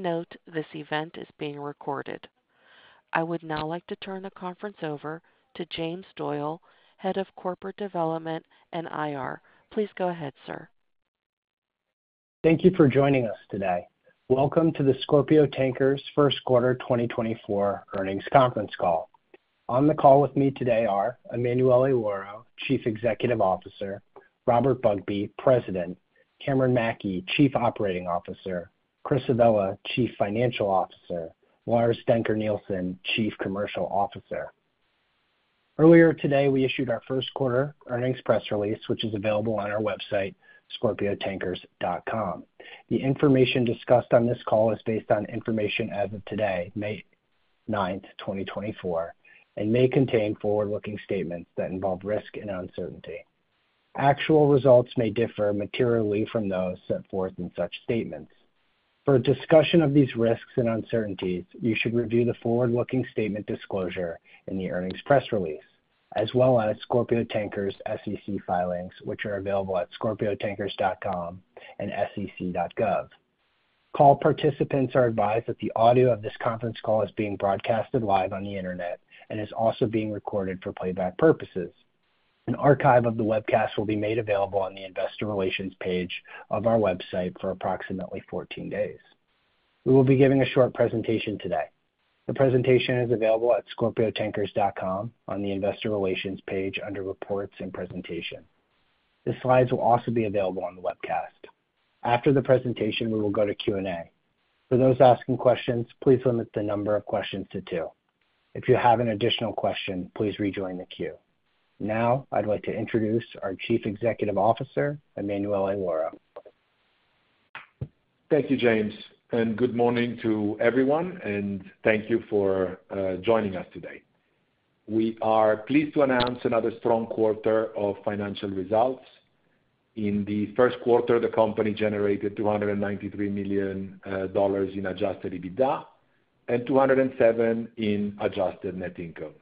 Please note this event is being recorded. I would now like to turn the conference over to James Doyle, Head of Corporate Development and IR. Please go ahead, sir. Thank you for joining us today. Welcome to the Scorpio Tankers first quarter 2024 earnings conference call. On the call with me today are Emanuele Lauro, Chief Executive Officer, Robert Bugbee, President, Cameron Mackey, Chief Operating Officer, Chris Avella, Chief Financial Officer, Lars Dencker Nielsen, Chief Commercial Officer. Earlier today we issued our First Quarter Earnings Press Release, which is available on our website, scorpiotankers.com. The information discussed on this call is based on information as of today, May 9, 2024, and may contain forward-looking statements that involve risk and uncertainty. Actual results may differ materially from those set forth in such statements. For a discussion of these risks and uncertainties, you should review the forward-looking statement disclosure in the Earnings Press Release, as well as Scorpio Tankers' SEC filings, which are available at scorpiotankers.com and sec.gov. Call participants are advised that the audio of this conference call is being broadcasted live on the internet and is also being recorded for playback purposes. An archive of the webcast will be made available on the Investor Relations page of our website for approximately 14 days. We will be giving a short presentation today. The presentation is available at scorpiotankers.com on the Investor Relations page under Reports and Presentation. The slides will also be available on the webcast. After the presentation, we will go to Q&A. For those asking questions, please limit the number of questions to two. If you have an additional question, please rejoin the queue. Now I'd like to introduce our Chief Executive Officer, Emanuele Lauro. Thank you, James, and good morning to everyone, and thank you for joining us today. We are pleased to announce another strong quarter of financial results. In the first quarter, the company generated $293 million in adjusted EBITDA and $207 million in adjusted net income.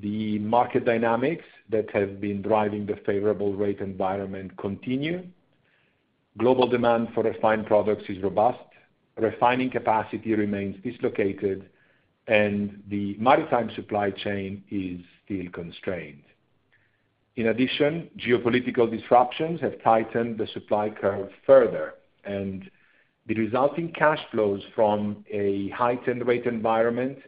The market dynamics that have been driving the favorable rate environment continue. Global demand for refined products is robust. Refining capacity remains dislocated, and the maritime supply chain is still constrained. In addition, geopolitical disruptions have tightened the supply curve further, and the resulting cash flows from a heightened rate environment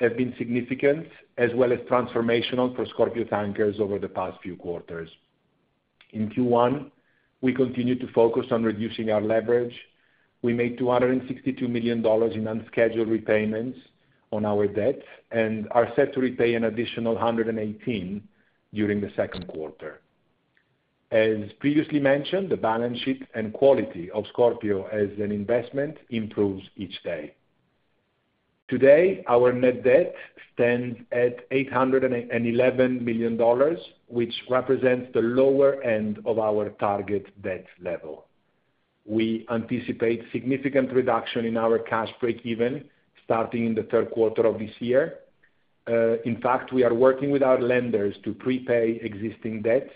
have been significant as well as transformational for Scorpio Tankers over the past few quarters. In Q1, we continued to focus on reducing our leverage. We made $262 million in unscheduled repayments on our debt and are set to repay an additional $118 million during the second quarter. As previously mentioned, the balance sheet and quality of Scorpio as an investment improves each day. Today, our net debt stands at $811 million, which represents the lower end of our target debt level. We anticipate significant reduction in our cash break-even starting in the third quarter of this year. In fact, we are working with our lenders to prepay existing debt,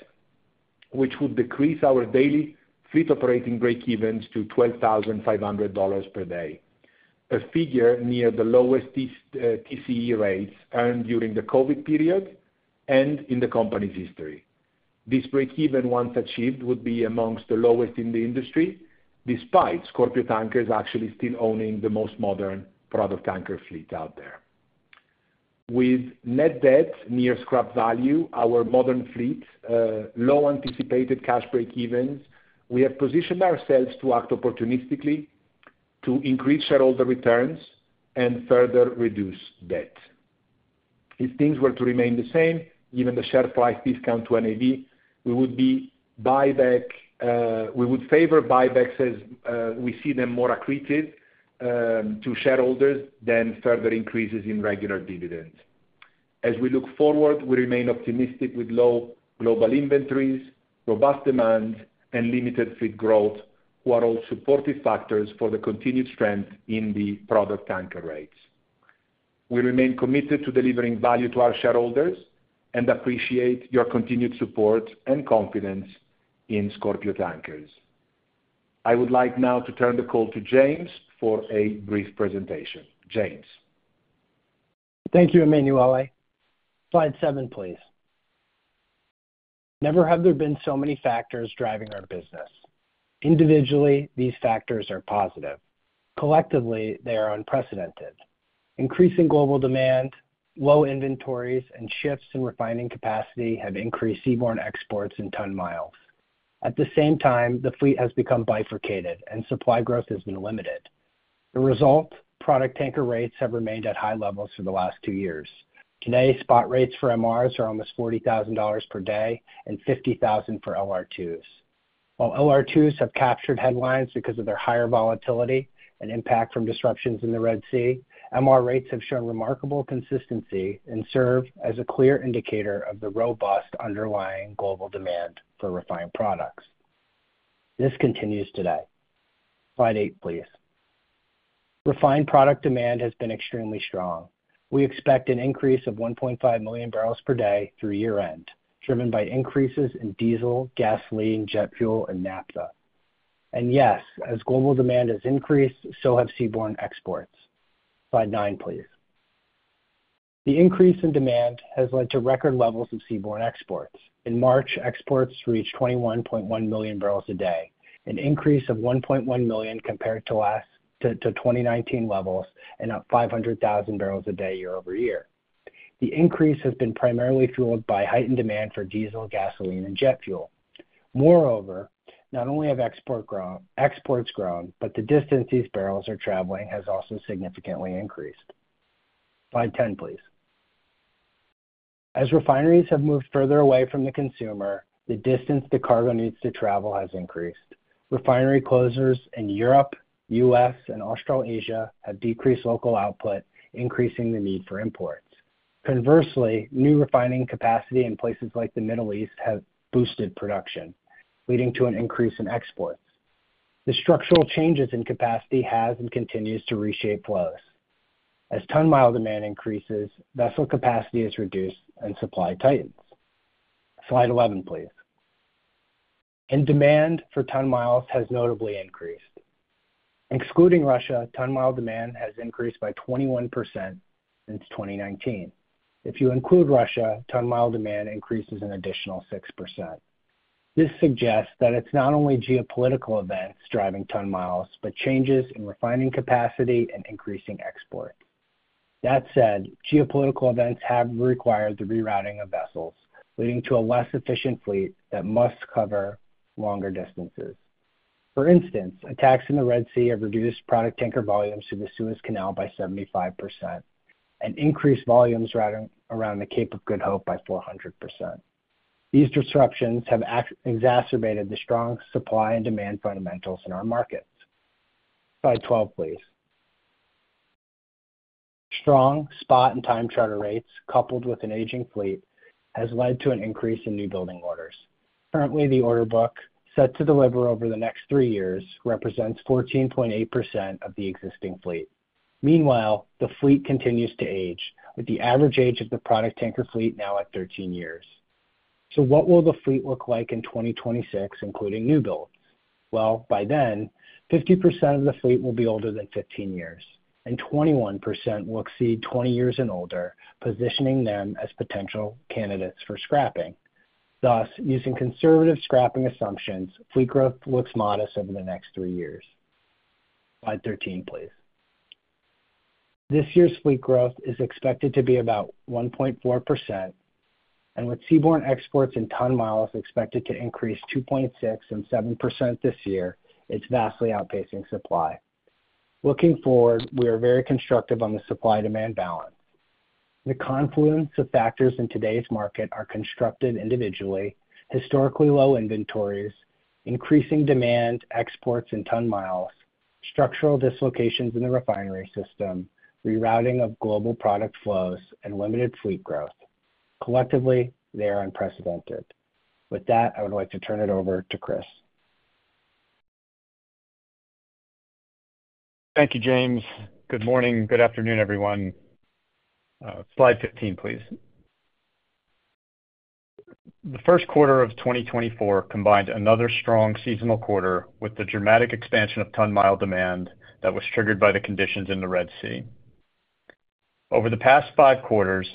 which would decrease our daily fleet operating break-evens to $12,500 per day, a figure near the lowest TCE rates earned during the COVID period and in the company's history. This break-even, once achieved, would be among the lowest in the industry, despite Scorpio Tankers actually still owning the most modern product tanker fleet out there. With net debt near scrap value, our modern fleet, low anticipated cash break-evens, we have positioned ourselves to act opportunistically to increase shareholder returns and further reduce debt. If things were to remain the same, given the share price discount to NAV, we would favor buybacks as we see them more accretive to shareholders than further increases in regular dividends. As we look forward, we remain optimistic with low global inventories, robust demand, and limited fleet growth, who are all supportive factors for the continued strength in the product tanker rates. We remain committed to delivering value to our shareholders and appreciate your continued support and confidence in Scorpio Tankers. I would like now to turn the call to James for a brief presentation. James. Thank you, Emanuele. Slide seven, please. Never have there been so many factors driving our business. Individually, these factors are positive. Collectively, they are unprecedented. Increasing global demand, low inventories, and shifts in refining capacity have increased seaborne exports in ton-miles. At the same time, the fleet has become bifurcated, and supply growth has been limited. The result? Product tanker rates have remained at high levels for the last two years. Today, spot rates for MRs are almost $40,000 per day and $50,000 for LR2s. While LR2s have captured headlines because of their higher volatility and impact from disruptions in the Red Sea, MR rates have shown remarkable consistency and serve as a clear indicator of the robust underlying global demand for refined products. This continues today. Slide eight, please. Refined product demand has been extremely strong. We expect an increase of 1.5 million barrels per day through year-end, driven by increases in diesel, gasoline, jet fuel, and naphtha. And yes, as global demand has increased, so have seaborne exports. Slide nine, please. The increase in demand has led to record levels of seaborne exports. In March, exports reached 21.1 million barrels a day, an increase of 1.1 million compared to 2019 levels and 500,000 barrels a day year-over-year. The increase has been primarily fueled by heightened demand for diesel, gasoline, and jet fuel. Moreover, not only have exports grown, but the distance these barrels are traveling has also significantly increased. Slide 10, please. As refineries have moved further away from the consumer, the distance the cargo needs to travel has increased. Refinery closures in Europe, U.S., and Australasia have decreased local output, increasing the need for imports. Conversely, new refining capacity in places like the Middle East has boosted production, leading to an increase in exports. The structural changes in capacity have and continue to reshape flows. As ton-mile demand increases, vessel capacity is reduced and supply tightens. Slide 11, please. Demand for ton-miles has notably increased. Excluding Russia, ton-mile demand has increased by 21% since 2019. If you include Russia, ton-mile demand increases an additional 6%. This suggests that it's not only geopolitical events driving ton-miles but changes in refining capacity and increasing exports. That said, geopolitical events have required the rerouting of vessels, leading to a less efficient fleet that must cover longer distances. For instance, attacks in the Red Sea have reduced product tanker volumes to the Suez Canal by 75% and increased volumes around the Cape of Good Hope by 400%. These disruptions have exacerbated the strong supply and demand fundamentals in our markets. Slide 12, please. Strong spot and time charter rates, coupled with an aging fleet, have led to an increase in newbuilding orders. Currently, the order book set to deliver over the next three years represents 14.8% of the existing fleet. Meanwhile, the fleet continues to age, with the average age of the product tanker fleet now at 13 years. So what will the fleet look like in 2026, including newbuilds? Well, by then, 50% of the fleet will be older than 15 years, and 21% will exceed 20 years and older, positioning them as potential candidates for scrapping. Thus, using conservative scrapping assumptions, fleet growth looks modest over the next three years. Slide 13, please. This year's fleet growth is expected to be about 1.4%, and with seaborne exports in ton-miles expected to increase 2.6% and 7% this year, it's vastly outpacing supply. Looking forward, we are very constructive on the supply-demand balance. The confluence of factors in today's market are considered individually, historically low inventories, increasing demand, exports in ton-miles, structural dislocations in the refinery system, rerouting of global product flows, and limited fleet growth. Collectively, they are unprecedented. With that, I would like to turn it over to Chris. Thank you, James. Good morning. Good afternoon, everyone. Slide 15, please. The first quarter of 2024 combined another strong seasonal quarter with the dramatic expansion of ton-mile demand that was triggered by the conditions in the Red Sea. Over the past five quarters,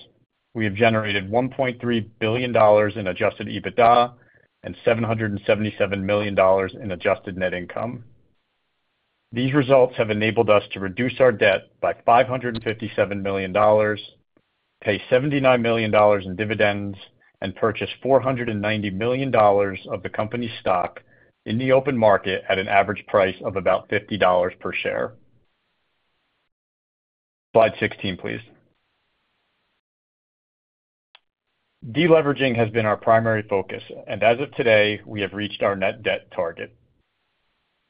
we have generated $1.3 billion in adjusted EBITDA and $777 million in adjusted net income. These results have enabled us to reduce our debt by $557 million, pay $79 million in dividends, and purchase $490 million of the company's stock in the open market at an average price of about $50 per share. Slide 16, please. De-leveraging has been our primary focus, and as of today, we have reached our net debt target.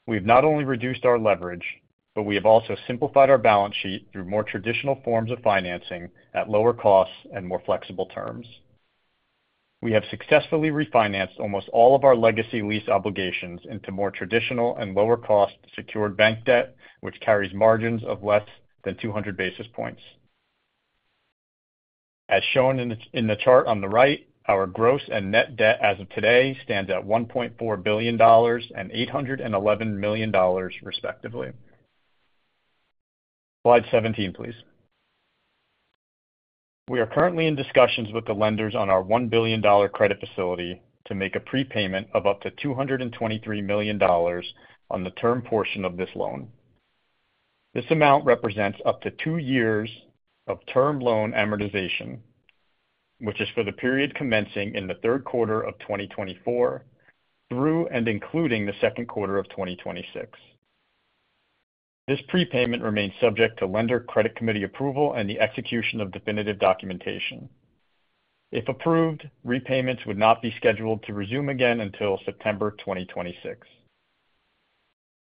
We have not only reduced our leverage, but we have also simplified our balance sheet through more traditional forms of financing at lower costs and more flexible terms. We have successfully refinanced almost all of our legacy lease obligations into more traditional and lower-cost secured bank debt, which carries margins of less than 200 basis points. As shown in the chart on the right, our gross and net debt as of today stands at $1.4 billion and $811 million, respectively. Slide 17, please. We are currently in discussions with the lenders on our $1 billion credit facility to make a prepayment of up to $223 million on the term portion of this loan. This amount represents up to two years of term loan amortization, which is for the period commencing in the third quarter of 2024 through and including the second quarter of 2026. This prepayment remains subject to lender credit committee approval and the execution of definitive documentation. If approved, repayments would not be scheduled to resume again until September 2026.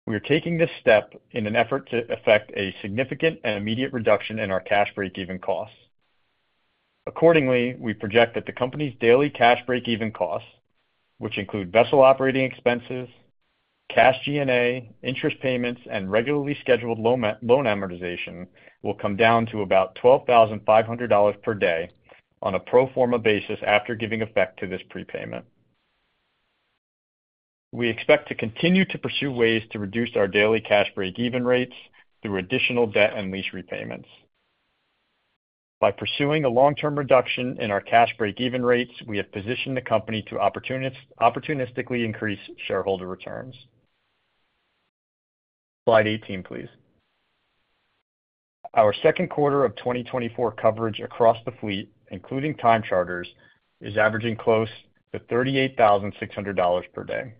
We are taking this step in an effort to effect a significant and immediate reduction in our cash break-even costs. Accordingly, we project that the company's daily cash break-even costs, which include vessel operating expenses, cash G&A, interest payments, and regularly scheduled loan amortization, will come down to about $12,500 per day on a pro forma basis after giving effect to this prepayment. We expect to continue to pursue ways to reduce our daily cash break-even rates through additional debt and lease repayments. By pursuing a long-term reduction in our cash break-even rates, we have positioned the company to opportunistically increase shareholder returns. Slide 18, please. Our second quarter of 2024 coverage across the fleet, including time charters, is averaging close to $38,600 per day.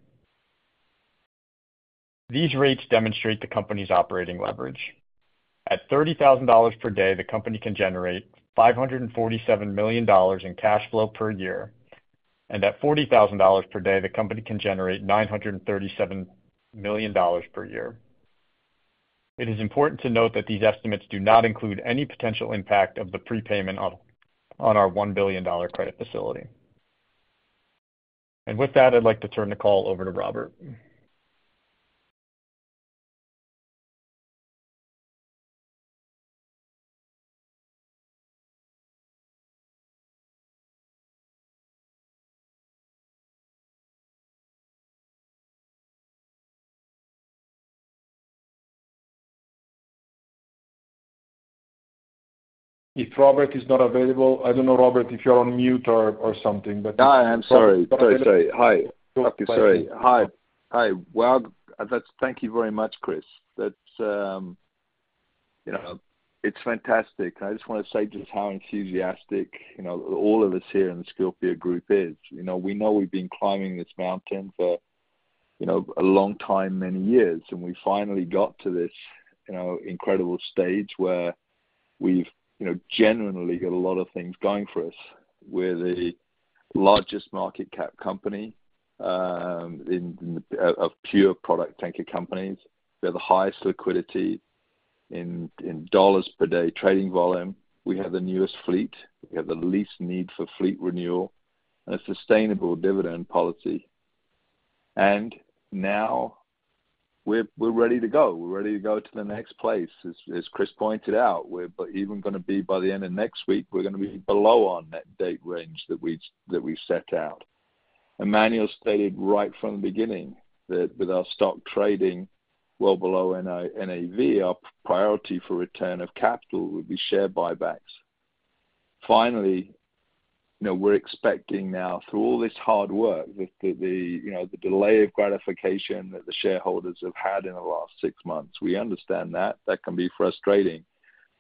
These rates demonstrate the company's operating leverage. At $30,000 per day, the company can generate $547 million in cash flow per year, and at $40,000 per day, the company can generate $937 million per year. It is important to note that these estimates do not include any potential impact of the prepayment on our $1 billion credit facility. And with that, I'd like to turn the call over to Robert. If Robert is not available, I don't know, Robert, if you're on mute or something, but. Yeah, I'm sorry. Sorry, sorry. Hi. Sorry. Hi. Hi. Well, thank you very much, Chris. It's fantastic. And I just want to say just how enthusiastic all of us here in the Scorpio Group is. We know we've been climbing this mountain for a long time, many years, and we finally got to this incredible stage where we've genuinely got a lot of things going for us. We're the largest market cap company of pure product tanker companies. We have the highest liquidity in dollars per day trading volume. We have the newest fleet. We have the least need for fleet renewal and a sustainable dividend policy. And now we're ready to go. We're ready to go to the next place. As Chris pointed out, we're even going to be by the end of next week, we're going to be below our net debt range that we set out. Emanuele stated right from the beginning that with our stock trading well below NAV, our priority for return of capital would be share buybacks. Finally, we're expecting now, through all this hard work, the delay of gratification that the shareholders have had in the last six months, we understand that. That can be frustrating,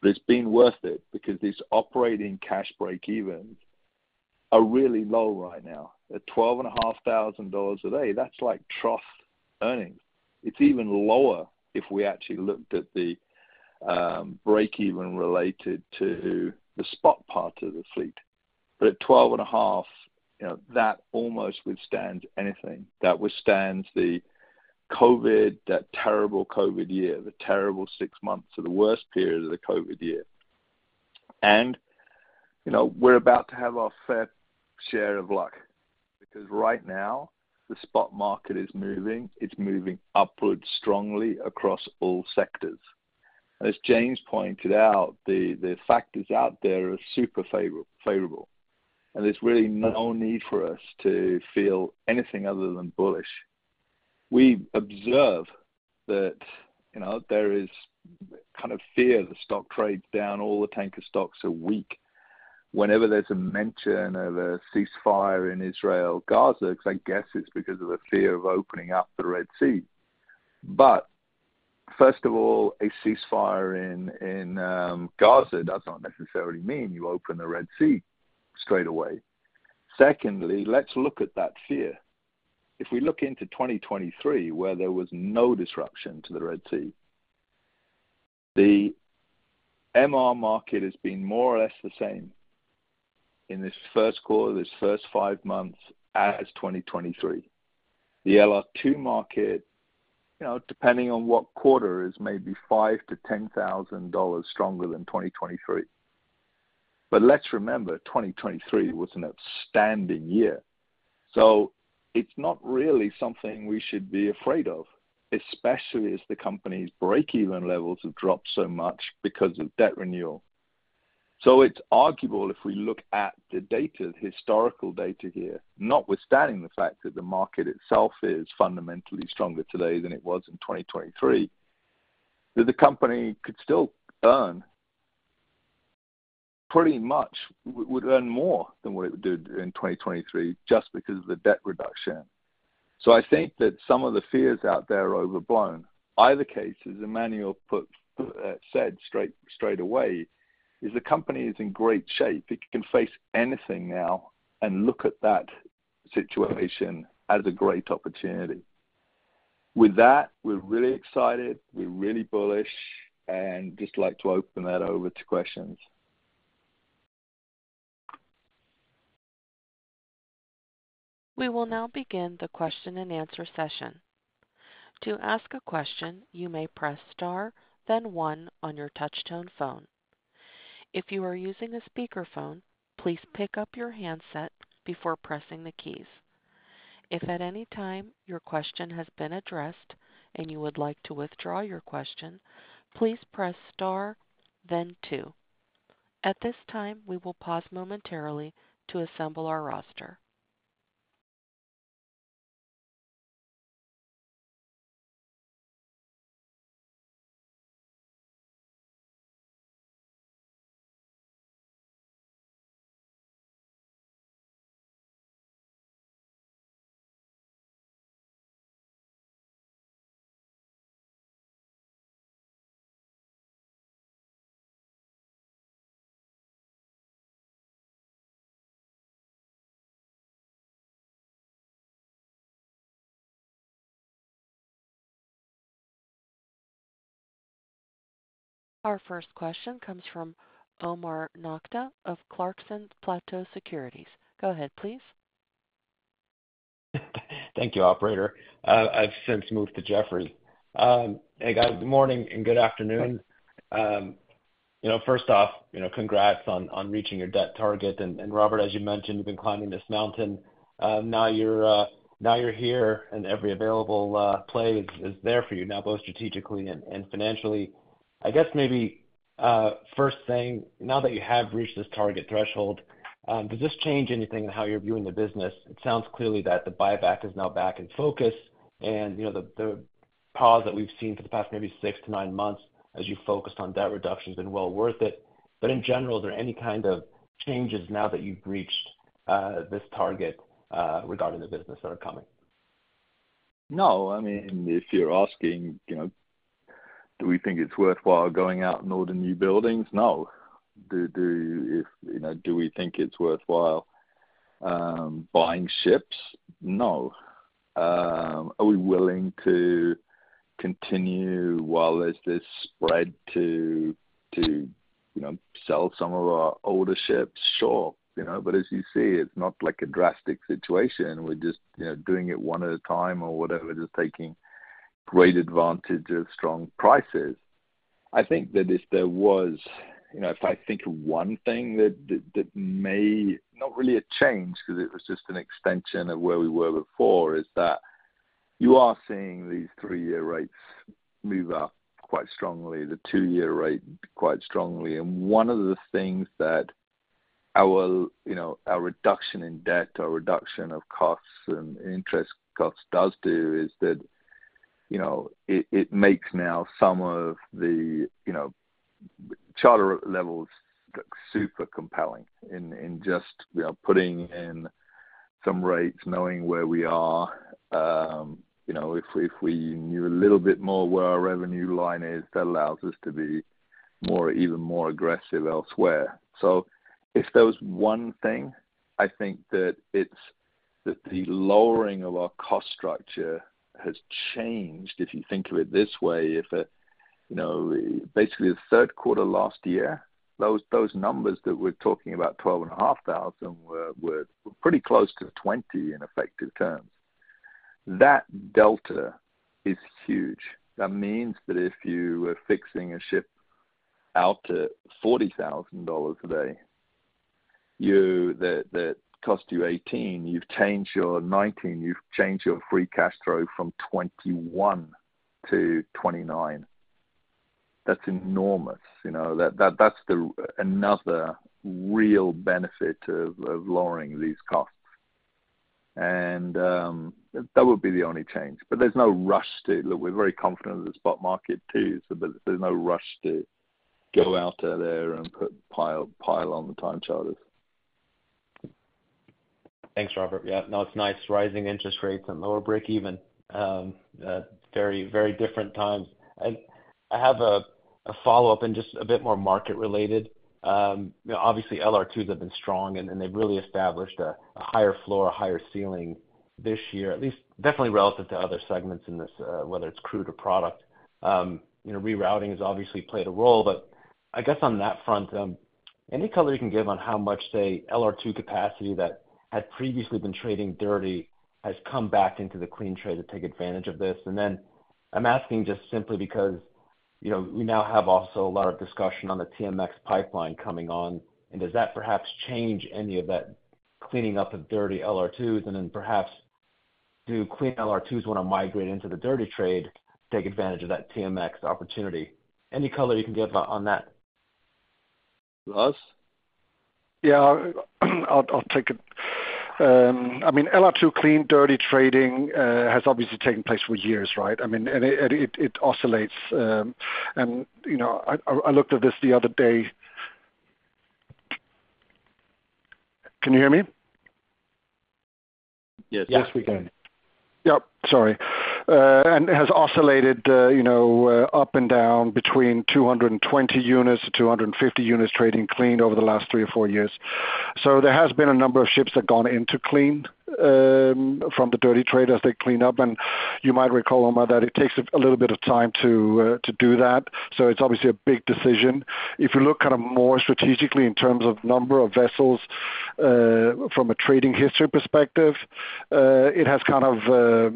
but it's been worth it because these operating cash break-evens are really low right now. At $12,500 a day, that's like trough earnings. It's even lower if we actually looked at the break-even related to the spot part of the fleet. But at $12,500, that almost withstands anything. That withstands the terrible COVID year, the terrible six months or the worst period of the COVID year. And we're about to have our fair share of luck because right now, the spot market is moving. It's moving upward strongly across all sectors. As James pointed out, the factors out there are super favorable, and there's really no need for us to feel anything other than bullish. We observe that there is kind of fear. The stock trades down. All the tanker stocks are weak. Whenever there's a mention of a ceasefire in Israel, Gaza because I guess it's because of a fear of opening up the Red Sea. But first of all, a ceasefire in Gaza does not necessarily mean you open the Red Sea straight away. Secondly, let's look at that fear. If we look into 2023, where there was no disruption to the Red Sea, the MR market has been more or less the same in this first quarter, this first five months as 2023. The LR2 market, depending on what quarter, is maybe $5,000-$10,000 stronger than 2023. But let's remember, 2023 was an outstanding year. So it's not really something we should be afraid of, especially as the company's break-even levels have dropped so much because of debt renewal. So it's arguable, if we look at the historical data here, notwithstanding the fact that the market itself is fundamentally stronger today than it was in 2023, that the company could still earn pretty much would earn more than what it would do in 2023 just because of the debt reduction. So I think that some of the fears out there are overblown. Either case, as Emanuele said straight away, is the company is in great shape. It can face anything now and look at that situation as a great opportunity. With that, we're really excited. We're really bullish and just like to open that over to questions. We will now begin the question-and-answer session. To ask a question, you may press star, then one on your touch-tone phone. If you are using a speakerphone, please pick up your handset before pressing the keys. If at any time your question has been addressed and you would like to withdraw your question, please press star, then two. At this time, we will pause momentarily to assemble our roster. Our first question comes from Omar Nokta of Clarksons Securities. Go ahead, please. Thank you, operator. I've since moved to Jefferies. Hey, guys, good morning and good afternoon. First off, congrats on reaching your debt target. Robert, as you mentioned, you've been climbing this mountain. Now you're here, and every available play is there for you now, both strategically and financially. I guess maybe first thing, now that you have reached this target threshold, does this change anything in how you're viewing the business? It sounds clearly that the buyback is now back in focus, and the pause that we've seen for the past maybe six to nine months as you focused on debt reduction has been well worth it. But in general, are there any kind of changes now that you've reached this target regarding the business that are coming? No. I mean, if you're asking, do we think it's worthwhile going out and ordering newbuildings? No. Do we think it's worthwhile buying ships? No. Are we willing to continue while there's this spread to sell some of our older ships? Sure. But as you see, it's not a drastic situation. We're just doing it one at a time or whatever, just taking great advantage of strong prices. I think that if I think of one thing that may not really a change because it was just an extension of where we were before, is that you are seeing these three-year rates move up quite strongly, the two-year rate quite strongly. One of the things that our reduction in debt, our reduction of costs and interest costs does do is that it makes now some of the charter levels super compelling in just putting in some rates, knowing where we are. If we knew a little bit more where our revenue line is, that allows us to be even more aggressive elsewhere. So if there was one thing, I think that the lowering of our cost structure has changed, if you think of it this way. Basically, the third quarter last year, those numbers that we're talking about, $12,500, were pretty close to $20,000 in effective terms. That delta is huge. That means that if you were fixing a ship out to $40,000 a day, that cost you $18,000, you've changed your $19,000, you've changed your free cash flow from $21,000-$29,000. That's enormous. That's another real benefit of lowering these costs. That would be the only change. But there's no rush to look, we're very confident in the spot market, too. There's no rush to go out there and pile on the time charters. Thanks, Robert. Yeah, no, it's nice. Rising interest rates and lower break-even. Very, very different times. And I have a follow-up and just a bit more market-related. Obviously, LR2s have been strong, and they've really established a higher floor, a higher ceiling this year, at least definitely relative to other segments in this, whether it's crude or product. Rerouting has obviously played a role. But I guess on that front, any color you can give on how much, say, LR2 capacity that had previously been trading dirty has come back into the clean trade to take advantage of this. And then I'm asking just simply because we now have also a lot of discussion on the TMX pipeline coming on. And does that perhaps change any of that cleaning up of dirty LR2s? And then perhaps, do clean LR2s want to migrate into the dirty trade, take advantage of that TMX opportunity? Any color you can give on that? Lars? Yeah, I'll take it. I mean, LR2 clean, dirty trading has obviously taken place for years, right? I mean, it oscillates. I looked at this the other day. Can you hear me? Yes. Yes, we can. Yep. Sorry. It has oscillated up and down between 220-250 units trading clean over the last three or four years. So there has been a number of ships that have gone into clean from the dirty trade as they clean up. And you might recall, Omar, that it takes a little bit of time to do that. So it's obviously a big decision. If you look kind of more strategically in terms of number of vessels from a trading history perspective, it has kind of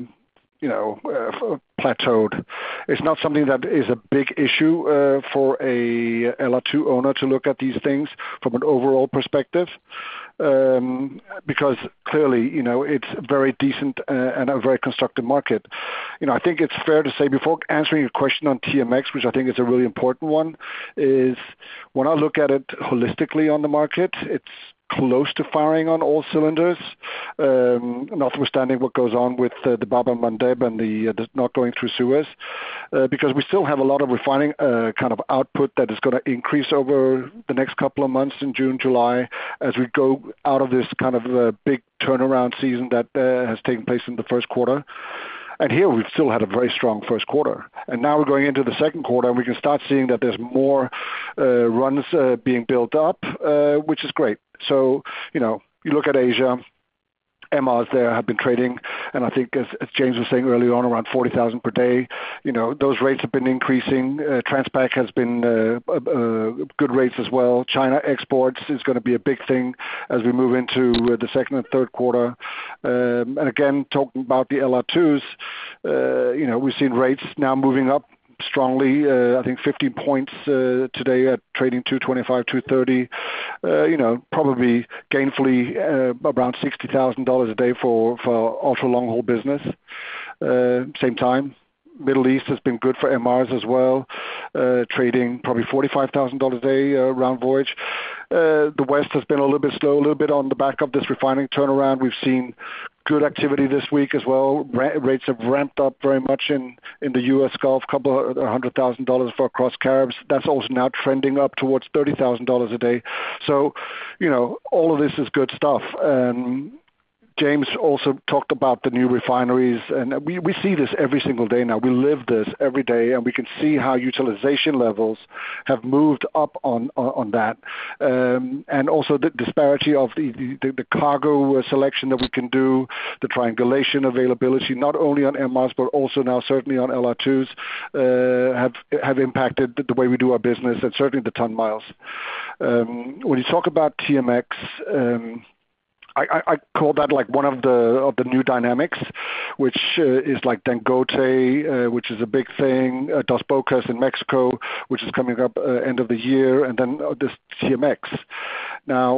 plateaued. It's not something that is a big issue for an LR2 owner to look at these things from an overall perspective because clearly, it's a very decent and a very constructive market. I think it's fair to say before answering your question on TMX, which I think is a really important one, is when I look at it holistically on the market, it's close to firing on all cylinders, notwithstanding what goes on with the Bab-el-Mandeb and the not going through Suez Canal because we still have a lot of refining kind of output that is going to increase over the next couple of months in June, July as we go out of this kind of big turnaround season that has taken place in the first quarter. And here, we've still had a very strong first quarter. And now we're going into the second quarter, and we can start seeing that there's more runs being built up, which is great. So you look at Asia, MRs there have been trading. I think, as James was saying earlier on, around 40,000 per day. Those rates have been increasing. Transpac has been good rates as well. China exports is going to be a big thing as we move into the second and third quarter. And again, talking about the LR2s, we've seen rates now moving up strongly, I think, 15 points today at trading 225, 230, probably gainfully around $60,000 a day for ultra-long-haul business. Same time, Middle East has been good for MRs as well, trading probably $45,000 a day round voyage. The West has been a little bit slow, a little bit on the back of this refining turnaround. We've seen good activity this week as well. Rates have ramped up very much in the U.S. Gulf, a couple of hundred thousand dollars for across Caribbean. That's also now trending up towards $30,000 a day. So all of this is good stuff. James also talked about the new refineries. We see this every single day now. We live this every day, and we can see how utilization levels have moved up on that. Also, the disparity of the cargo selection that we can do, the triangulation availability, not only on MRs, but also now certainly on LR2s, have impacted the way we do our business and certainly the ton-miles. When you talk about TMX, I call that one of the new dynamics, which is like Dangote, which is a big thing, Dos Bocas in Mexico, which is coming up end of the year, and then this TMX. Now,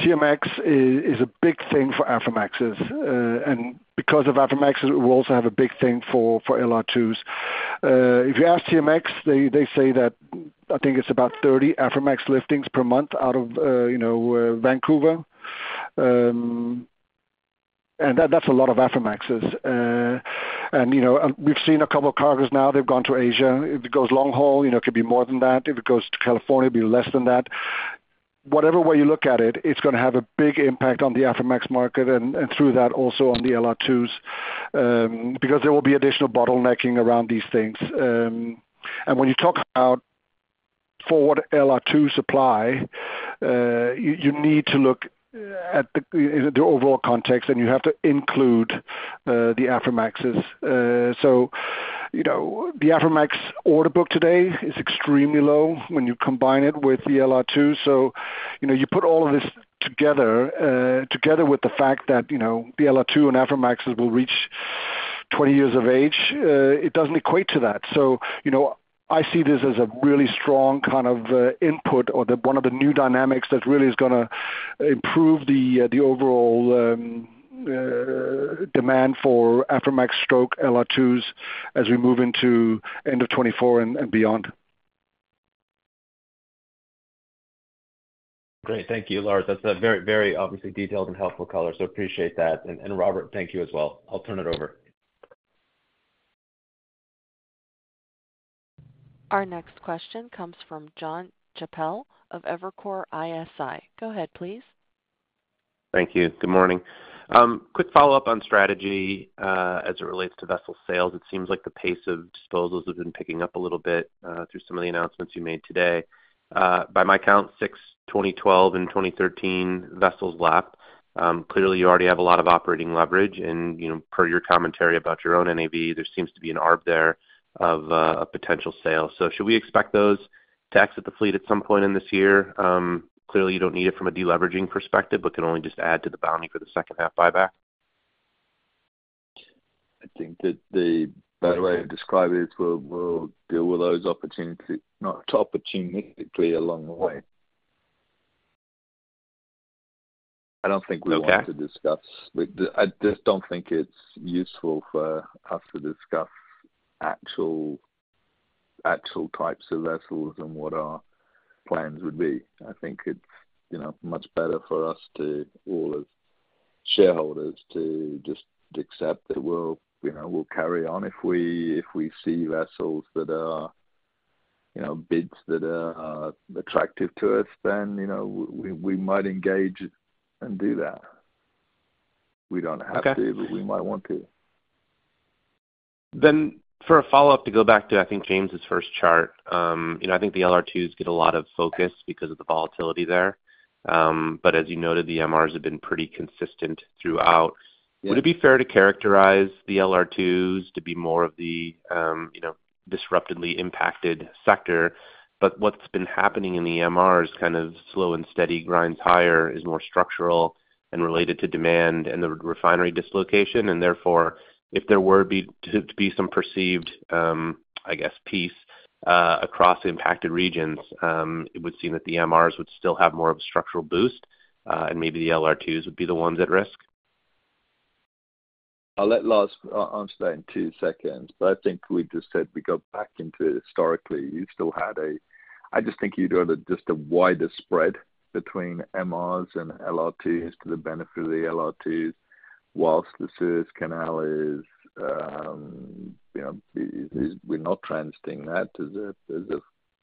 TMX is a big thing for Aframaxes. Because of Aframax, we also have a big thing for LR2s. If you ask TMX, they say that I think it's about 30 Aframax liftings per month out of Vancouver. That's a lot of Aframaxes. We've seen a couple of cargos now. They've gone to Asia. If it goes long-haul, it could be more than that. If it goes to California, it'd be less than that. Whatever way you look at it, it's going to have a big impact on the Aframax market and through that also on the LR2s because there will be additional bottlenecking around these things. When you talk about forward LR2 supply, you need to look at the overall context, and you have to include the Aframaxes. So the Aframax order book today is extremely low when you combine it with the LR2. So you put all of this together with the fact that the LR2 and Aframax will reach 20 years of age, it doesn't equate to that. So I see this as a really strong kind of input or one of the new dynamics that really is going to improve the overall demand for Aframax stroke LR2s as we move into end of 2024 and beyond. Great. Thank you, Lars. That's a very, very obviously detailed and helpful color. So appreciate that. And Robert, thank you as well. I'll turn it over. Our next question comes from Jon Chappell of Evercore ISI. Go ahead, please. Thank you. Good morning. Quick follow-up on strategy as it relates to vessel sales. It seems like the pace of disposals has been picking up a little bit through some of the announcements you made today. By my count, six, 2012, and 2013 vessels left. Clearly, you already have a lot of operating leverage. Per your commentary about your own NAV, there seems to be an arb there of a potential sale. So should we expect those to exit the fleet at some point in this year? Clearly, you don't need it from a deleveraging perspective, but can only just add to the bounty for the second-half buyback. I think that the better way to describe it is we'll deal with those opportunities not opportunistically along the way. I don't think we want to discuss. I just don't think it's useful for us to discuss actual types of vessels and what our plans would be. I think it's much better for us all as shareholders to just accept that we'll carry on. If we see vessels that are bids that are attractive to us, then we might engage and do that. We don't have to, but we might want to. Then for a follow-up to go back to, I think, James's first chart, I think the LR2s get a lot of focus because of the volatility there. But as you noted, the MRs have been pretty consistent throughout. Would it be fair to characterize the LR2s to be more of the disruptively impacted sector? But what's been happening in the MRs, kind of slow and steady, grinds higher, is more structural and related to demand and the refinery dislocation. And therefore, if there were to be some perceived, I guess, peace across impacted regions, it would seem that the MRs would still have more of a structural boost, and maybe the LR2s would be the ones at risk. I'll let Lars answer that in two seconds. But I think we just said we go back into historically. You still had a I just think you do have just a wider spread between MRs and LR2s to the benefit of the LR2s whilst the Suez Canal is we're not transiting that as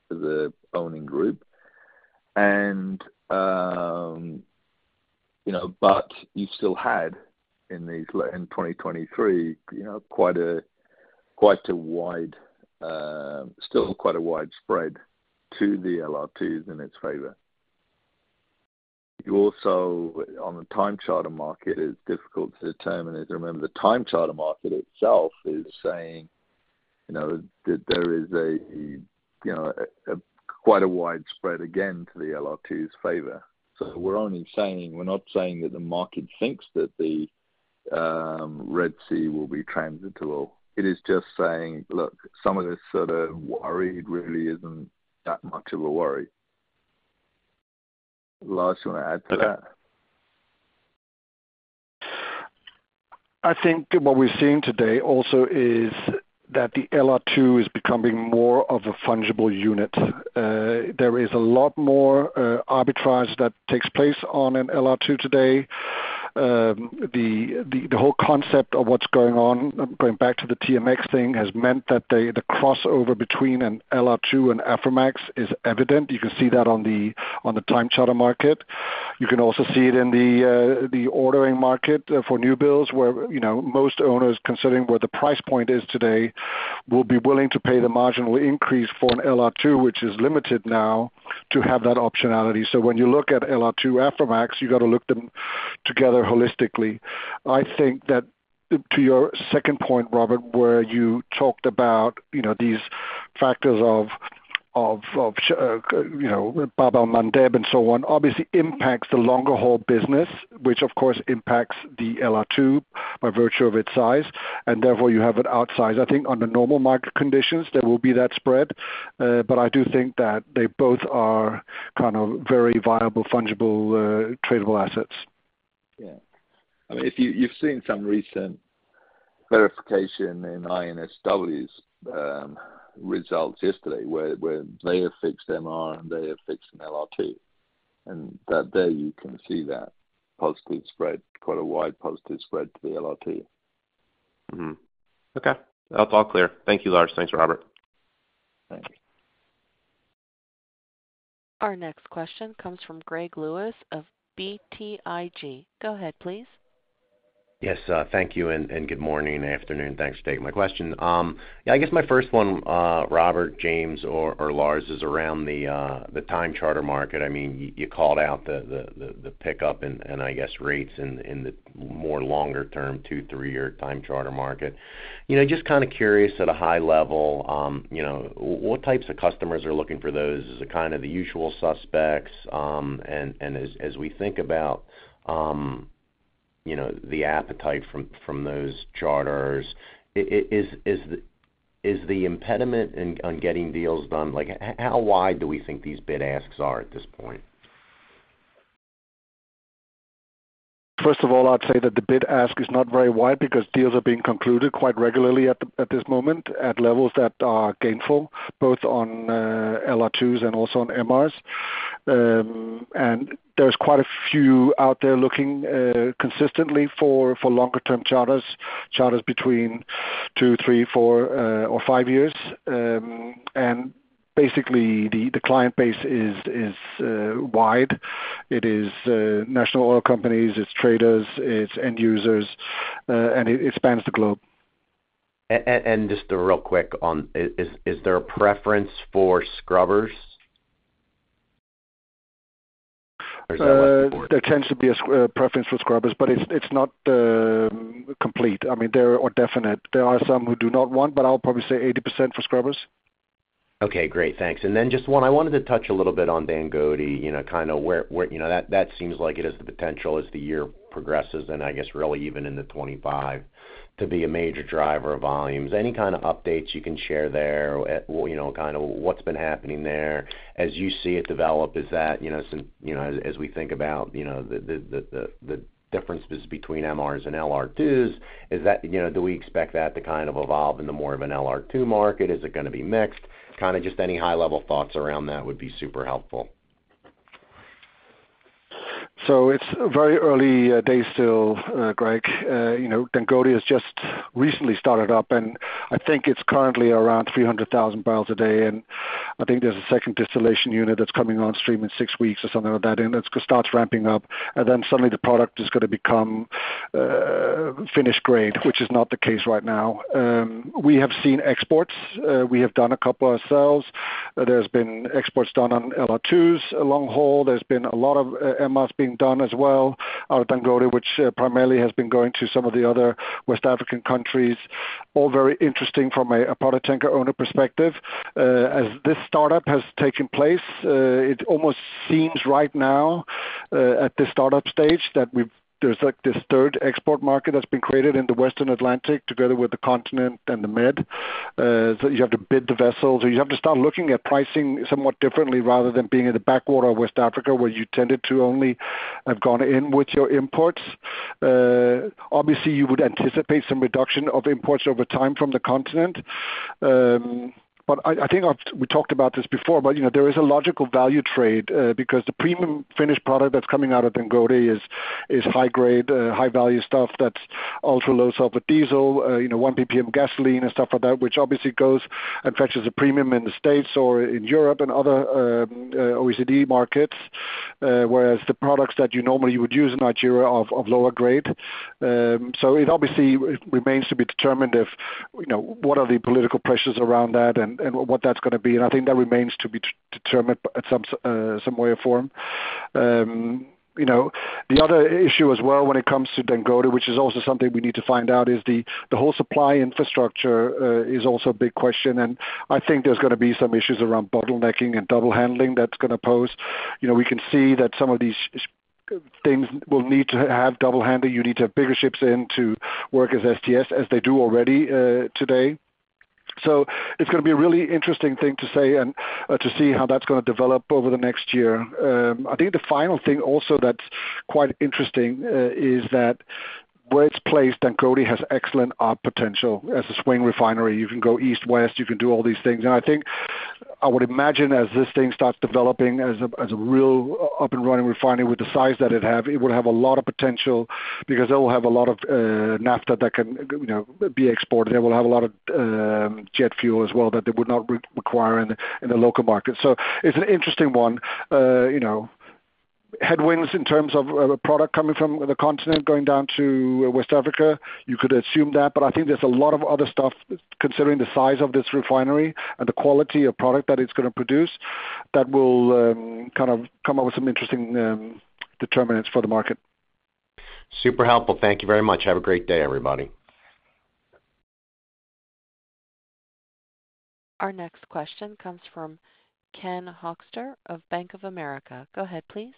an owning group. But you still had, in 2023, quite a wide still quite a wide spread to the LR2s in its favor. Also, on the time charter market, it's difficult to determine as I remember, the time charter market itself is saying that there is quite a wide spread again to the LR2s' favor. So we're only saying we're not saying that the market thinks that the Red Sea will be transitable. It is just saying, "Look, some of this sort of worried really isn't that much of a worry." Lars, you want to add to that? I think what we're seeing today also is that the LR2 is becoming more of a fungible unit. There is a lot more arbitrage that takes place on an LR2 today. The whole concept of what's going on going back to the TMX thing has meant that the crossover between an LR2 and Aframax is evident. You can see that on the time charter market. You can also see it in the ordering market for newbuilds where most owners, considering where the price point is today, will be willing to pay the marginal increase for an LR2, which is limited now, to have that optionality. So when you look at LR2 Aframax, you got to look together holistically. I think that to your second point, Robert, where you talked about these factors of Bab-el-Mandeb and so on, obviously impacts the longer-haul business, which, of course, impacts the LR2 by virtue of its size. And therefore, you have an outsize. I think under normal market conditions, there will be that spread. But I do think that they both are kind of very viable, fungible, tradable assets. Yeah. I mean, you've seen some recent verification in INSW's results yesterday where they have fixed MR and they have fixed an LR2. And there, you can see that positive spread, quite a wide positive spread to the LR2. Okay. That's all clear. Thank you, Lars. Thanks, Robert. Thanks. Our next question comes from Greg Lewis of BTIG. Go ahead, please. Yes. Thank you and good morning, afternoon. Thanks for taking my question. Yeah, I guess my first one, Robert, James, or Lars, is around the time charter market. I mean, you called out the pickup and, I guess, rates in the more longer-term, two, three-year time charter market. Just kind of curious at a high level, what types of customers are looking for those? Is it kind of the usual suspects? And as we think about the appetite from those charters, is the impediment on getting deals done how wide do we think these bid asks are at this point? First of all, I'd say that the bid ask is not very wide because deals are being concluded quite regularly at this moment at levels that are gainful, both on LR2s and also on MRs. And there's quite a few out there looking consistently for longer-term charters, charters between two, three, four, or five years. And basically, the client base is wide. It is national oil companies. It's traders. It's end users. And it spans the globe. Just real quick, on is there a preference for scrubbers? Or is that what you're saying? There tends to be a preference for scrubbers, but it's not complete. I mean, there are definitely some who do not want, but I'll probably say 80% for scrubbers. Okay. Great. Thanks. And then just one, I wanted to touch a little bit on Dangote, kind of where that seems like it has the potential as the year progresses and, I guess, really even in the 2025 to be a major driver of volumes. Any kind of updates you can share there, kind of what's been happening there? As you see it develop, is that as we think about the differences between MRs and LR2s, do we expect that to kind of evolve into more of an LR2 market? Is it going to be mixed? Kind of just any high-level thoughts around that would be super helpful. So it's very early days still, Greg. Dangote has just recently started up, and I think it's currently around 300,000 barrels a day. And I think there's a second distillation unit that's coming on stream in six weeks or something like that, and it starts ramping up. And then suddenly, the product is going to become finished grade, which is not the case right now. We have seen exports. We have done a couple ourselves. There's been exports done on LR2s long-haul. There's been a lot of MRs being done as well out of Dangote, which primarily has been going to some of the other West African countries, all very interesting from a product tanker owner perspective. As this startup has taken place, it almost seems right now at this startup stage that there's this third export market that's been created in the Western Atlantic together with the Continent and the Med. So you have to bid the vessels. Or you have to start looking at pricing somewhat differently rather than being in the backwater of West Africa where you tended to only have gone in with your imports. Obviously, you would anticipate some reduction of imports over time from the Continent. But I think we talked about this before, but there is a logical value trade because the premium finished product that's coming out of Dangote is high-grade, high-value stuff that's ultra-low-sulfur diesel, 1 ppm gasoline, and stuff like that, which obviously goes and fetches a premium in the States or in Europe and other OECD markets, whereas the products that you normally would use in Nigeria are of lower grade. So it obviously remains to be determined what are the political pressures around that and what that's going to be. And I think that remains to be determined in some way or form. The other issue as well when it comes to Dangote, which is also something we need to find out, is the whole supply infrastructure is also a big question. And I think there's going to be some issues around bottlenecking and double-handling that's going to pose. We can see that some of these things will need to have double-handling. You need to have bigger ships in to work as STS as they do already today. So it's going to be a really interesting thing to say and to see how that's going to develop over the next year. I think the final thing also that's quite interesting is that where it's placed, Dangote has excellent arb potential as a swing refinery. You can go east-west. You can do all these things. And I think I would imagine as this thing starts developing as a real up-and-running refinery with the size that it have, it would have a lot of potential because it will have a lot of naphtha that can be exported. It will have a lot of jet fuel as well that it would not require in the local market. So it's an interesting one. Headwinds in terms of product coming from the Continent going down to West Africa, you could assume that. But I think there's a lot of other stuff considering the size of this refinery and the quality of product that it's going to produce that will kind of come up with some interesting determinants for the market. Super helpful. Thank you very much. Have a great day, everybody. Our next question comes from Ken Hoexter of Bank of America. Go ahead, please.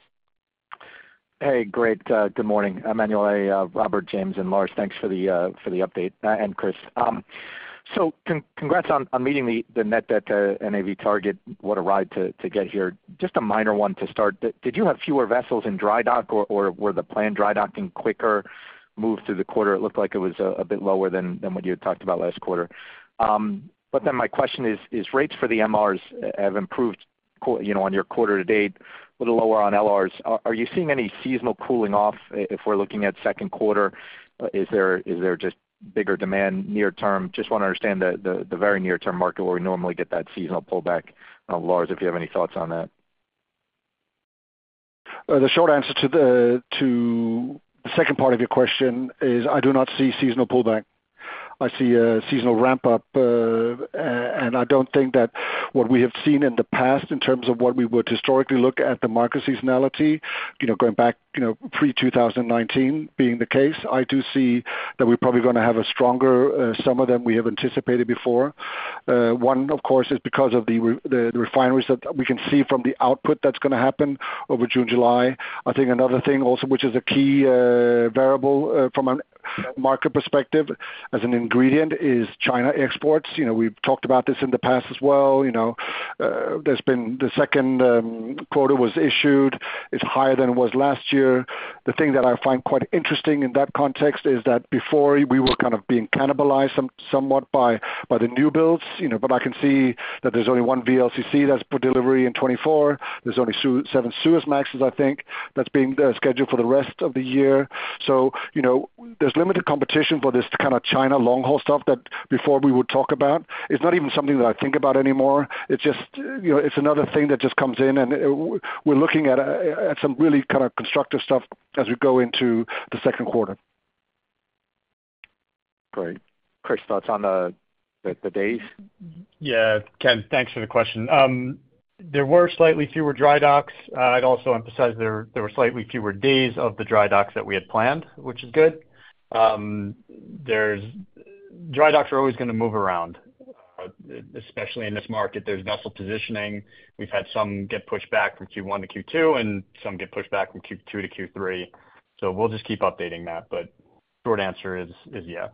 Hey. Great. Good morning, Emanuele, Robert, James, and Lars. Thanks for the update, and Chris. So, congrats on meeting the net NAV target. What a ride to get here. Just a minor one to start. Did you have fewer vessels in dry dock, or were the planned dry docking quicker? Move through the quarter, it looked like it was a bit lower than what you had talked about last quarter. But then my question is, rates for the MRs have improved on your quarter to date, a little lower on LRs. Are you seeing any seasonal cooling off if we're looking at second quarter? Is there just bigger demand near-term? Just want to understand the very near-term market where we normally get that seasonal pullback. Lars, if you have any thoughts on that. The short answer to the second part of your question is, I do not see seasonal pullback. I see a seasonal ramp-up. I don't think that what we have seen in the past in terms of what we would historically look at the market seasonality, going back pre-2019 being the case. I do see that we're probably going to have a stronger summer than we have anticipated before. One, of course, is because of the refineries that we can see from the output that's going to happen over June, July. I think another thing also, which is a key variable from a market perspective as an ingredient, is China exports. We've talked about this in the past as well. The second quarter was issued. It's higher than it was last year. The thing that I find quite interesting in that context is that before, we were kind of being cannibalized somewhat by the newbuilds. But I can see that there's only one VLCC that's for delivery in 2024. There's only seven Suezmaxes, I think, that's being scheduled for the rest of the year. So there's limited competition for this kind of China long-haul stuff that before we would talk about. It's not even something that I think about anymore. It's another thing that just comes in. And we're looking at some really kind of constructive stuff as we go into the second quarter. Great. Chris, thoughts on the days? Yeah. Ken, thanks for the question. There were slightly fewer dry docks. I'd also emphasize there were slightly fewer days of the dry docks that we had planned, which is good. Dry docks are always going to move around, especially in this market. There's vessel positioning. We've had some get pushed back from Q1 to Q2 and some get pushed back from Q2 to Q3. So we'll just keep updating that. But short answer is yeah.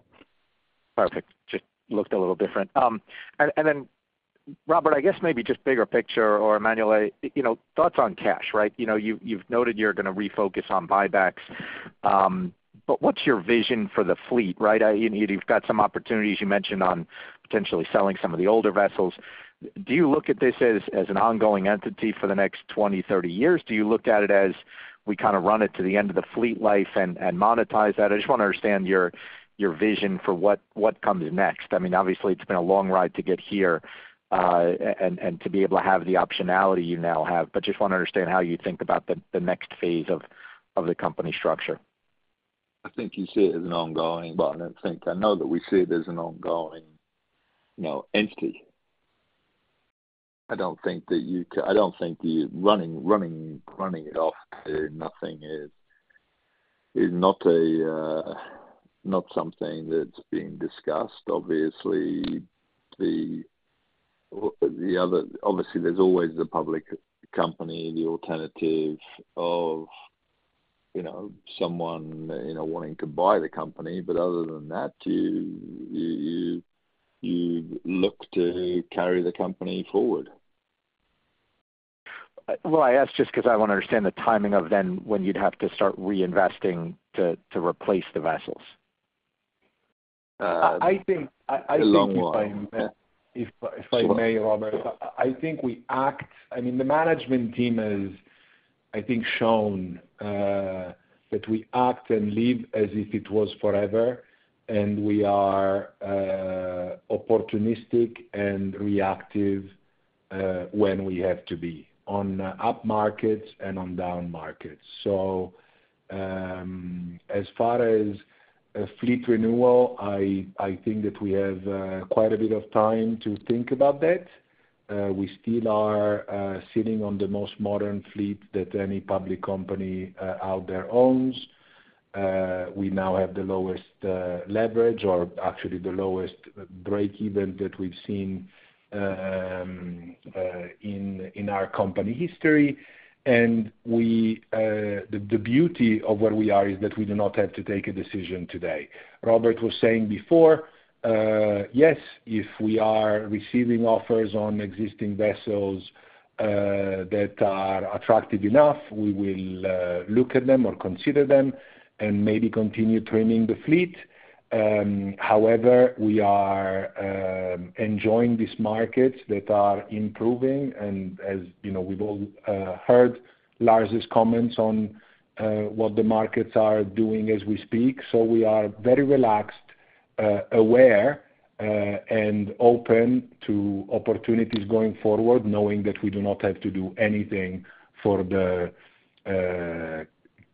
Perfect. Just looked a little different. And then, Robert, I guess maybe just bigger picture, or Emanuele, thoughts on cash, right? You've noted you're going to refocus on buybacks. But what's your vision for the fleet, right? You've got some opportunities you mentioned on potentially selling some of the older vessels. Do you look at this as an ongoing entity for the next 20, 30 years? Do you look at it as we kind of run it to the end of the fleet life and monetize that? I just want to understand your vision for what comes next. I mean, obviously, it's been a long ride to get here and to be able to have the optionality you now have. But just want to understand how you think about the next phase of the company structure. I think you see it as an ongoing. But I don't think I know that we see it as an ongoing entity. I don't think that you running it off to nothing is not something that's being discussed. Obviously, there's always the public company, the alternative of someone wanting to buy the company. But other than that, you look to carry the company forward. Well, I asked just because I want to understand the timing of then when you'd have to start reinvesting to replace the vessels. I think if I may, Robert, I think we act—I mean, the management team has, I think, shown that we act and live as if it was forever. We are opportunistic and reactive when we have to be, on up markets and on down markets. As far as fleet renewal, I think that we have quite a bit of time to think about that. We still are sitting on the most modern fleet that any public company out there owns. We now have the lowest leverage or actually the lowest break-even that we've seen in our company history. The beauty of where we are is that we do not have to take a decision today. Robert was saying before, yes, if we are receiving offers on existing vessels that are attractive enough, we will look at them or consider them and maybe continue trimming the fleet. However, we are enjoying these markets that are improving. And as we've all heard Lars' comments on what the markets are doing as we speak, so we are very relaxed, aware, and open to opportunities going forward, knowing that we do not have to do anything for the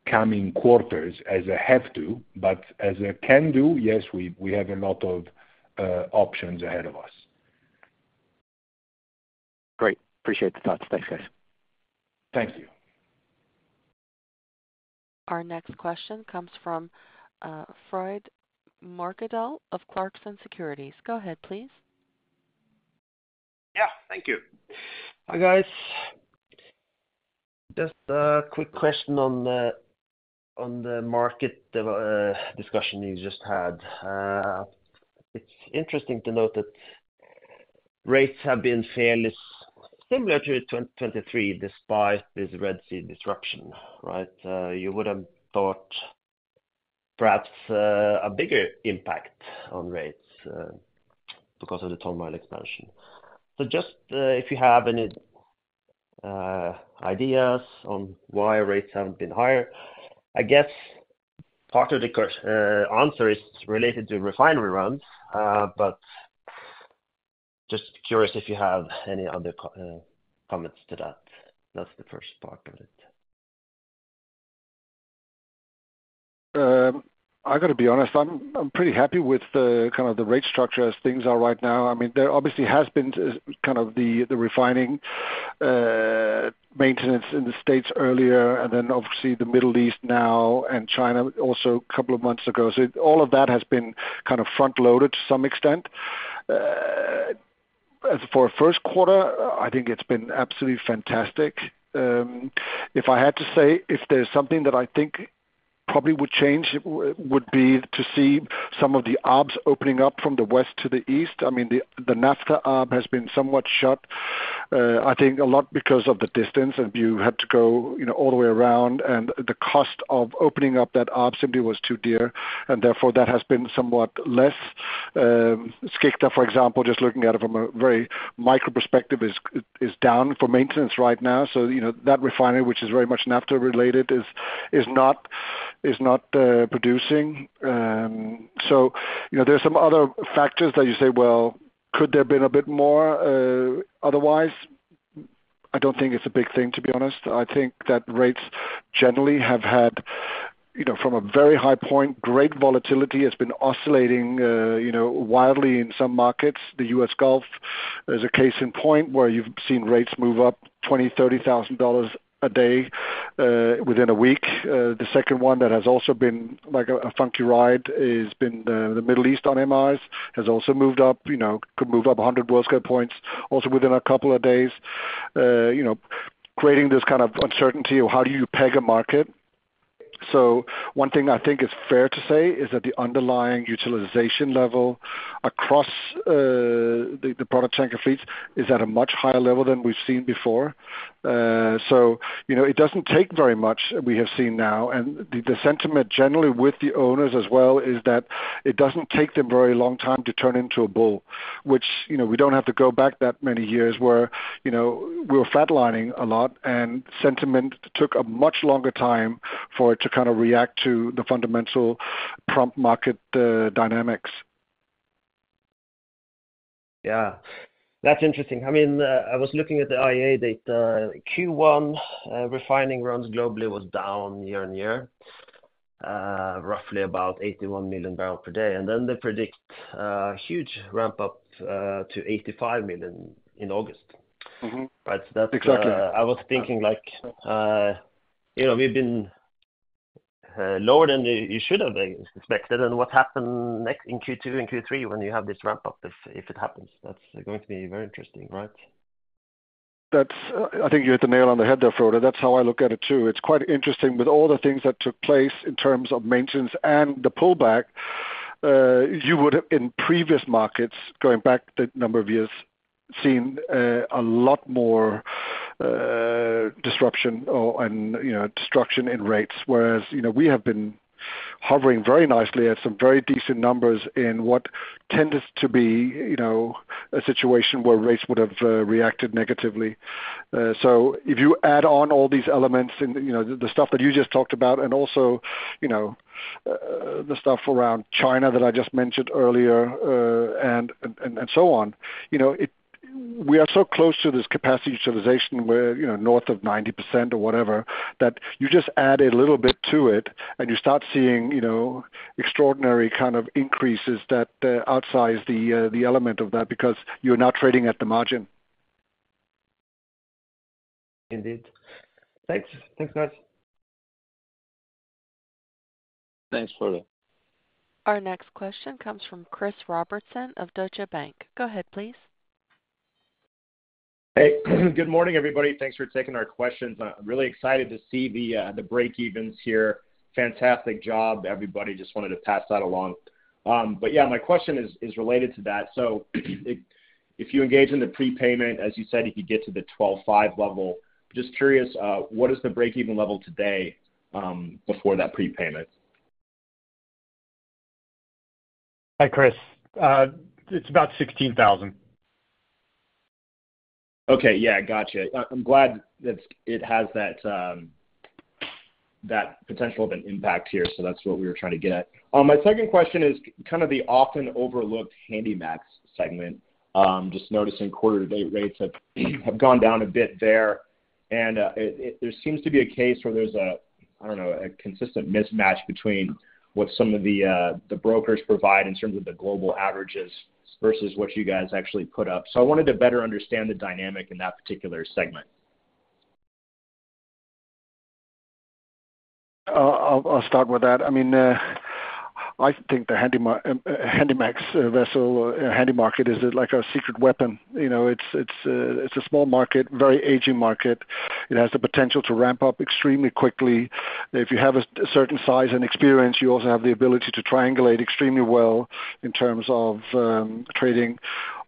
coming quarters as a have-to. But as a can-do, yes, we have a lot of options ahead of us. Great. Appreciate the thoughts. Thanks, guys. Thank you. Our next question comes from Frode Mørkedal of Clarksons Securities. Go ahead, please. Yeah. Thank you. Hi, guys. Just a quick question on the market discussion you just had. It's interesting to note that rates have been fairly similar to 2023 despite this Red Sea disruption, right? You would have thought perhaps a bigger impact on rates because of the ton-mile expansion. So just if you have any ideas on why rates haven't been higher, I guess part of the answer is related to refinery runs. But just curious if you have any other comments to that. That's the first part of it. I got to be honest. I'm pretty happy with kind of the rate structure as things are right now. I mean, there obviously has been kind of the refining maintenance in the States earlier and then, obviously, the Middle East now and China also a couple of months ago. So all of that has been kind of front-loaded to some extent. As for first quarter, I think it's been absolutely fantastic. If I had to say if there's something that I think probably would change, it would be to see some of the arbs opening up from the west to the east. I mean, the naphtha arb has been somewhat shut, I think, a lot because of the distance. And you had to go all the way around. And the cost of opening up that arb simply was too dear. And therefore, that has been somewhat less. Skikda, for example, just looking at it from a very micro perspective, is down for maintenance right now. So that refinery, which is very much naphtha-related, is not producing. So there's some other factors that you say, "Well, could there have been a bit more?" Otherwise, I don't think it's a big thing, to be honest. I think that rates generally have had, from a very high point, great volatility. It's been oscillating wildly in some markets. The U.S. Gulf is a case in point where you've seen rates move up $20,000, $30,000 a day within a week. The second one that has also been a funky ride has been the Middle East on MRs, has also moved up, could move up 100 Worldscale points also within a couple of days, creating this kind of uncertainty of how do you peg a market. One thing I think is fair to say is that the underlying utilization level across the product tanker fleets is at a much higher level than we've seen before. It doesn't take very much, we have seen now. The sentiment generally with the owners as well is that it doesn't take them a very long time to turn into a bull, which we don't have to go back that many years where we were flatlining a lot. Sentiment took a much longer time for it to kind of react to the fundamental spot market dynamics. Yeah. That's interesting. I mean, I was looking at the IEA data. Q1 refining runs globally was down year-on-year, roughly about 81 million barrels per day. And then they predict huge ramp-up to 85 million in August, right? So that's. Exactly. I was thinking we've been lower than you should have expected. What happens next in Q2 and Q3 when you have this ramp-up if it happens? That's going to be very interesting, right? That's, I think, you hit the nail on the head there, Frode. That's how I look at it too. It's quite interesting. With all the things that took place in terms of maintenance and the pullback, you would have, in previous markets, going back the number of years, seen a lot more disruption and destruction in rates. Whereas we have been hovering very nicely at some very decent numbers in what tended to be a situation where rates would have reacted negatively. If you add on all these elements and the stuff that you just talked about and also the stuff around China that I just mentioned earlier and so on, we are so close to this capacity utilization where north of 90% or whatever that you just add a little bit to it, and you start seeing extraordinary kind of increases that outsize the element of that because you're not trading at the margin. Indeed. Thanks. Thanks, guys. Thanks, Frode. Our next question comes from Chris Robertson of Deutsche Bank. Go ahead, please. Hey. Good morning, everybody. Thanks for taking our questions. I'm really excited to see the breakevens here. Fantastic job, everybody. Just wanted to pass that along. But yeah, my question is related to that. So if you engage in the prepayment, as you said, if you get to the 12.5 level, just curious, what is the breakeven level today before that prepayment? Hi, Chris. It's about 16,000. Okay. Yeah. Gotcha. I'm glad that it has that potential of an impact here. So that's what we were trying to get at. My second question is kind of the often-overlooked Handymax segment. Just noticing quarter-to-date rates have gone down a bit there. And there seems to be a case where there's a, I don't know, a consistent mismatch between what some of the brokers provide in terms of the global averages versus what you guys actually put up. So I wanted to better understand the dynamic in that particular segment. I'll start with that. I mean, I think the Handymax vessel Handy market is like a secret weapon. It's a small market, very aging market. It has the potential to ramp up extremely quickly. If you have a certain size and experience, you also have the ability to triangulate extremely well in terms of trading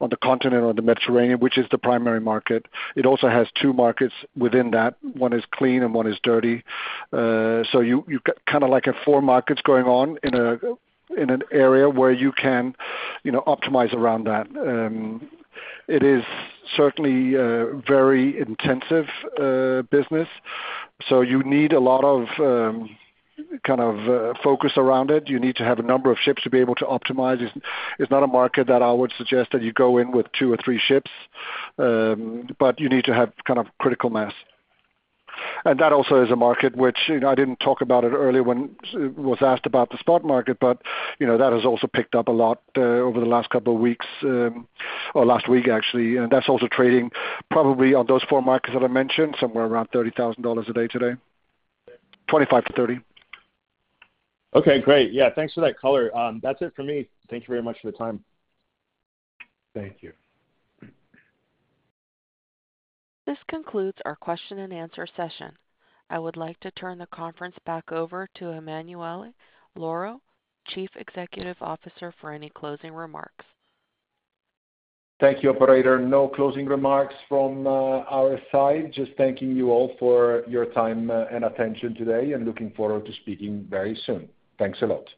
on the Continent or the Mediterranean, which is the primary market. It also has two markets within that. One is clean and one is dirty. So you've got kind of like four markets going on in an area where you can optimize around that. It is certainly a very intensive business. So you need a lot of kind of focus around it. You need to have a number of ships to be able to optimize. It's not a market that I would suggest that you go in with two or three ships. You need to have kind of critical mass. That also is a market which I didn't talk about it earlier when I was asked about the spot market. That has also picked up a lot over the last couple of weeks or last week, actually. That's also trading probably on those four markets that I mentioned, somewhere around $30,000 a day today, $25,000-$30,000. Okay. Great. Yeah. Thanks for that color. That's it for me. Thank you very much for the time. Thank you. This concludes our question-and-answer session. I would like to turn the conference back over to Emanuele Lauro, Chief Executive Officer, for any closing remarks. Thank you, operator. No closing remarks from our side. Just thanking you all for your time and attention today and looking forward to speaking very soon. Thanks a lot.